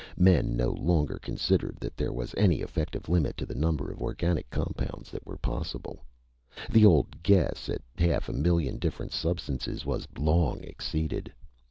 Men no longer considered that there was any effective limit to the number of organic compounds that were possible. The old guess at half a million different substances was long exceeded.